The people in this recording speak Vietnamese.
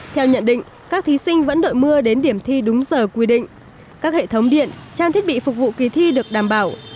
theo nhận định các thí sinh vẫn đội mưa đến điểm thi đúng giờ quy định các hệ thống điện trang thiết bị phục vụ kỳ thi được đảm bảo